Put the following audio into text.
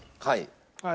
はい。